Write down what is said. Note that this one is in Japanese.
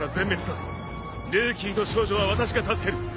ルーキーと少女は私が助ける。